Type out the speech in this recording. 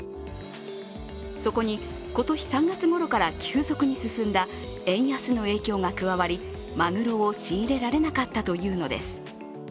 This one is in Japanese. そこに今年３月ごろから急速に進んだ円安の影響が加わりまぐろを仕入れられなかったというのです。